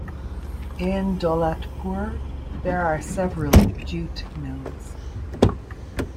In Daulatpur there are several jute mills.